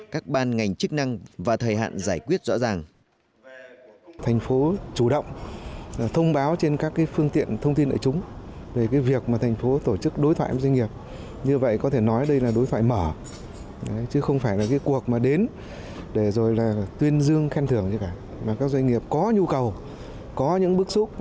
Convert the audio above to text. các ban ngành chức năng và thời hạn giải quyết rõ ràng